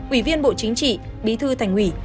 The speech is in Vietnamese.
ủy viên bộ chính trị bí thư thành hủy